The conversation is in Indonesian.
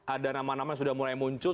ada nama nama yang sudah mulai muncul